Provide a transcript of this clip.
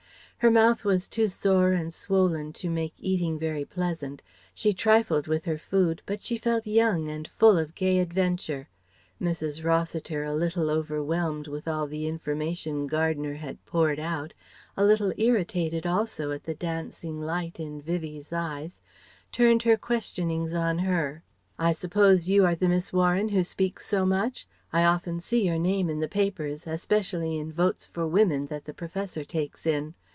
Her mouth was too sore and swollen to make eating very pleasant. She trifled with her food but she felt young and full of gay adventure. Mrs. Rossiter a little overwhelmed with all the information Gardner had poured out, a little irritated also at the dancing light in Vivie's eyes, turned her questionings on her. Mrs. Rossiter: "I suppose you are the Miss Warren who speaks so much. I often see your name in the papers, especially in Votes for Women that the Professor takes in.